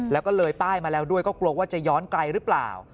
แล้วก็เลยป้ายมาแล้วด้วยก็กลัวว่าจะย้อนไกลหรือเปล่า